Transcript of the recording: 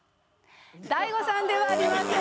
大悟さんではありません。